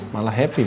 malah happy malah